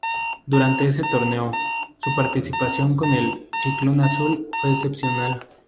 Durante ese torneo, su participación con el "Ciclón Azul" fue excepcional.